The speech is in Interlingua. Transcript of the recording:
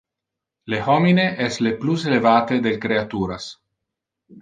Le homine es le plus elevate del creaturas.